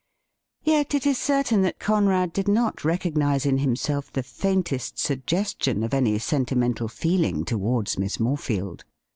Yet it is certain that Conrad did not recognise in himself the faintest suggestion of any sentimental feeling towards Miss Morefield.